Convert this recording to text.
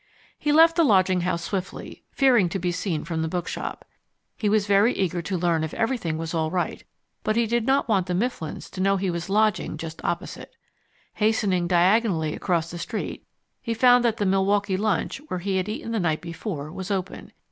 He left the lodging house swiftly, fearing to be seen from the bookshop. He was very eager to learn if everything was all right, but he did not want the Mifflins to know he was lodging just opposite. Hastening diagonally across the street, he found that the Milwaukee Lunch, where he had eaten the night before, was open.